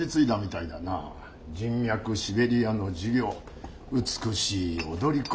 人脈シベリアの事業美しい踊り子。